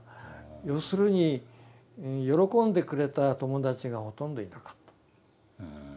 要するに喜んでくれた友達がほとんどいなかった。